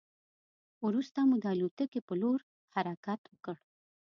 وروسته مو د الوتکې په لور حرکت وکړ.